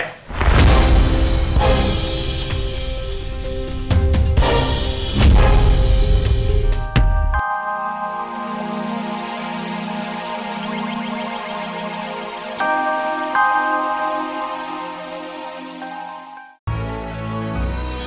kau mau percaya